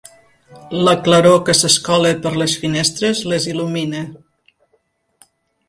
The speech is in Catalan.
La claror que s'escola per les finestres les il·lumina.